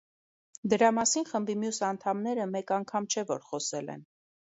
Դրա մասին խմբի մյուս անդամները մեկ անգամ չէ, որ խոսել են։